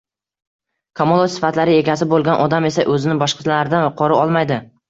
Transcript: Kamolot sifatlari egasi bo`lgan odam esa o`zini boshqalardan yuqori olmaydi